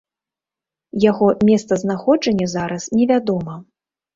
Яго месцазнаходжанне зараз невядома.